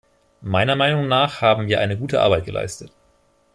Meiner Meinung nach haben wir eine gute Arbeit geleistet.